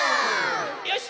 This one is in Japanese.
よし！